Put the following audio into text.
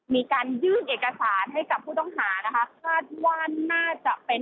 มีการยื่นเอกสารให้กับผู้ต้องหานะคะคาดว่าน่าจะเป็น